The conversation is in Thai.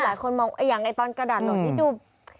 หลายคนมองอย่างตอนกระดาษหลดนี้ดู